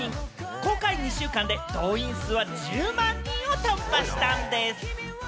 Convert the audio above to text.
公開２週間で動員数は１０万人を突破したんでぃす。